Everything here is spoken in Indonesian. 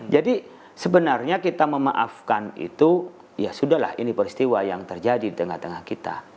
jadi sebenarnya kita memaafkan itu ya sudah lah ini peristiwa yang terjadi di tengah tengah kita